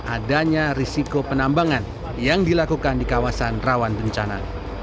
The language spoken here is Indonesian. adanya risiko penambangan yang dilakukan di kawasan rawan bencana